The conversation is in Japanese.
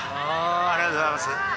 ありがとうございます。